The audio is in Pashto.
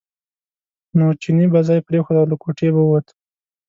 نو چیني به ځای پرېښود او له کوټې به ووت.